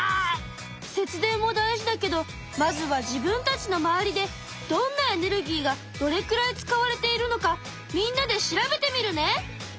節電も大事だけどまずは自分たちのまわりでどんなエネルギーがどれくらい使われているのかみんなで調べてみるね！